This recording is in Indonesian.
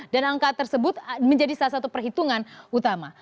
dan angka tersebut menjadi salah satu perhitungan utama